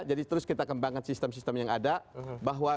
jadi terus kita kembangkan sistem sistem yang ada